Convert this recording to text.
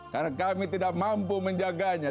karena kami tidak mampu menjaganya